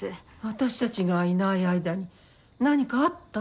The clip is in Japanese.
私達がいない間に何かあった？